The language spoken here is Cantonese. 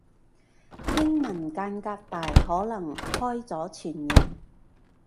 英文間隔大可能開咗全形